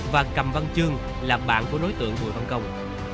và cầm văn chương là bạn của đối tượng bùi văn công